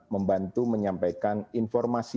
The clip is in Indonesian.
membantu menyampaikan informasi